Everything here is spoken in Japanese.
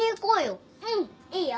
うんいいよ。